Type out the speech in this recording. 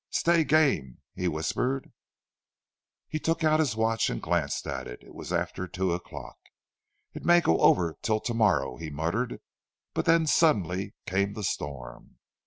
"Stay game!" he whispered. He took out his watch, and glanced at it. It was after two o'clock. "It may go over till to morrow!" he muttered.—But then suddenly came the storm.